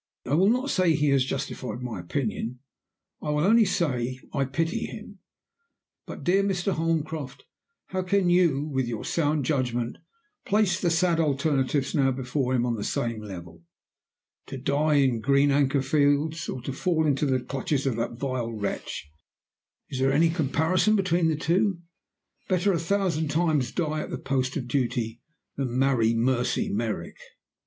I will not say he has justified my opinion. I will only say I pity him. But, dear Mr. Holmcroft, how can you, with your sound judgment, place the sad alternatives now before him on the same level? To die in Green Anchor Fields, or to fall into the clutches of that vile wretch is there any comparison between the two? Better a thousand times die at the post of duty than marry Mercy Merrick.